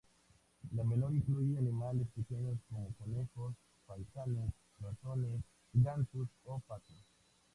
La menor incluye animales pequeños como conejos, faisanes, ratones, gansos o patos.